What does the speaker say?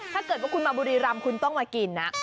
ถ้าเกิดว่าคุณมาบุรีรำคุณต้องมากินนะ